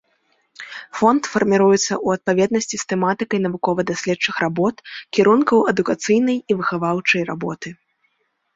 Фонд фарміруецца ў адпаведнасці з тэматыкай навукова-даследчых работ, кірункаў адукацыйнай і выхаваўчай работы.